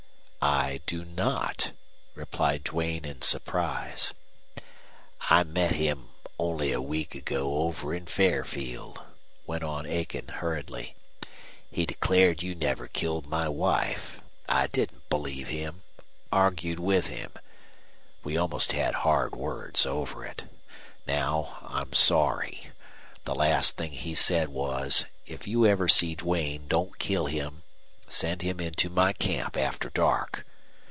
"I do not," replied Duane, in surprise. "I met him only a week ago over in Fairfield," went on Aiken, hurriedly. "He declared you never killed my wife. I didn't believe him argued with him. We almost had hard words over it. Now I'm sorry. The last thing he said was: 'If you ever see Duane don't kill him. Send him into my camp after dark!'